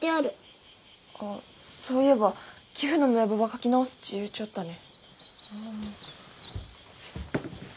あっそういえば寄付の名簿ば書き直すっち言うちょったね。